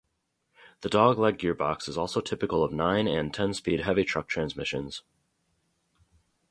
The dog leg gearbox is also typical of nine- and ten-speed heavy-truck transmissions.